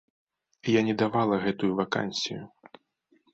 Я не давала гэтую вакансію.